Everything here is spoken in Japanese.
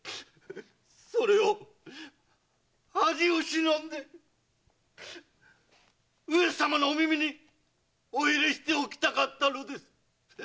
〔それを恥を忍んで上様のお耳にお入れしておきたかったのです！〕